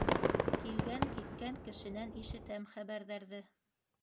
Килгән-киткән кешенән ишетәм хәбәрҙәрҙе.